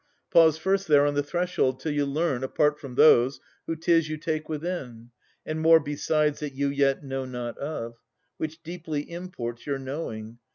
Pause first there on the threshold, till you learn (Apart from those) who 'tis you take within, And more besides that you yet know not of, Which deeply imports your knowing.